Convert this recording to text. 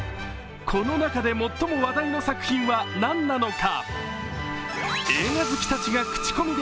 この中でもっとも話題の作品は何なのか。